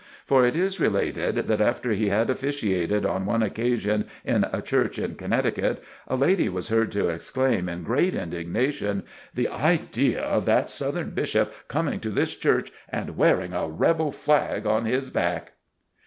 For it is related that after he had officiated on one occasion in a Church in Connecticut, a lady was heard to exclaim in great indignation, "The idea of that Southern Bishop coming to this church and wearing a Rebel flag on his back!"